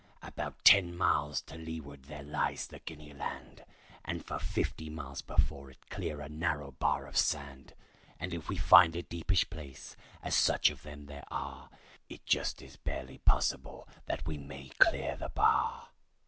"About ten miles to leeward there lies the Guinea land, And for fifty miles before it clear a narrow bar of sand; And if we find a deepish place—as such of them there are— It just is barely possible that we may clear the bar."